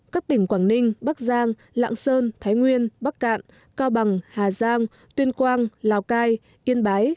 các tỉnh quảng ninh bắc giang lạng sơn thái nguyên bắc cạn cao bằng hà giang tuyên quang lào cai yên bái